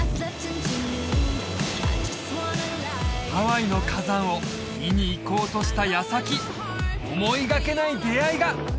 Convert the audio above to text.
ハワイの火山を見に行こうとした矢先思いがけない出会いが！